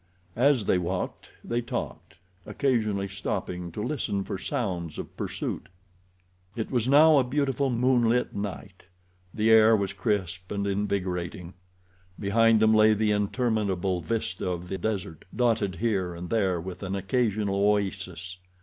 As they walked they talked, occasionally stopping to listen for sounds of pursuit. It was now a beautiful, moonlit night. The air was crisp and invigorating. Behind them lay the interminable vista of the desert, dotted here and there with an occasional oasis.